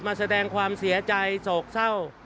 มาแสดงความเสียใจโศกเศร้า